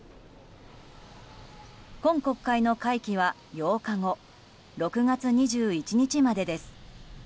今国会の会期は８日後６月２１日までです。